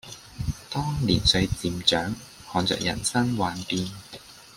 當年歲漸長，看著人生幻變